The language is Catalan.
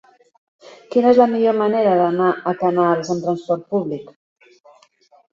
Quina és la millor manera d'anar a Canals amb transport públic?